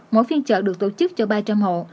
mỗi phiên chợ được tổ chức cho ba trăm linh hộ